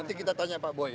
nanti kita tanya pak boy ya